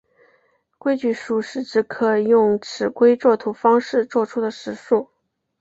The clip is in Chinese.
规矩数是指可用尺规作图方式作出的实数。